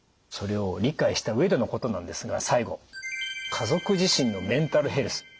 それを理解した上でのことなんですが最後「家族自身のメンタルヘルス」